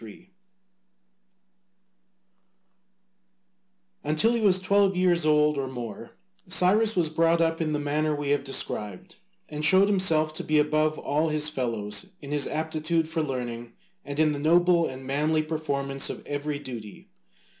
3] Until he was twelve years old or more, Cyrus was brought up in the manner we have described, and showed himself to be above all his fellows in his aptitude for learning and in the noble and manly performance of every duty.